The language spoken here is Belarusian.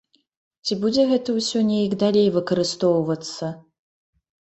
Ці будзе гэта ўсё неяк далей выкарыстоўвацца?